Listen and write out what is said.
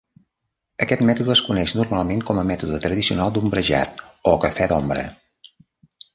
Aquest mètode es coneix normalment com a mètode tradicional d'ombrejat o "cafè d'ombra".